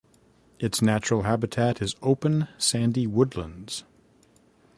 Its natural habitat is open sandy woodlands.